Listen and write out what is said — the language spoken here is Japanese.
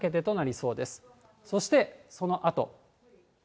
そしてそのあと。